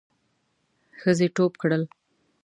ښځې ټوپ کړل.